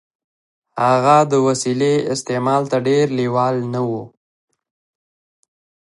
هغه د وسيلې استعمال ته ډېر لېوال نه و.